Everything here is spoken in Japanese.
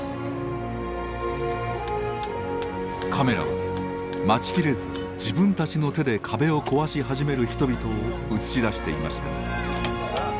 カメラは待ちきれず自分たちの手で壁を壊し始める人々を映し出していました。